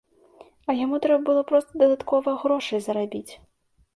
А яму трэба было проста дадаткова грошай зарабіць.